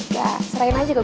ya serahin aja ke gue